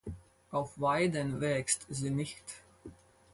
Auf Weiden wächst sie nicht.